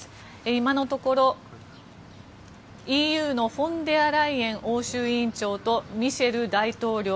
今のところ、ＥＵのフォンデアライエン欧州委員長とミシェル大統領。